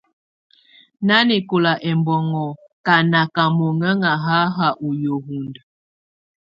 Nanɛkɔla ɛmbɔnŋɔ ka naka monŋɛŋa hahs ɔ yəhundə.